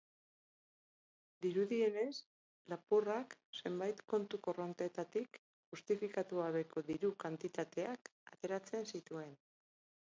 Dirudienez, lapurrak, zenbait kontu korronteetatik justifikatu gabeko diru kantitateak ateratzen zituen.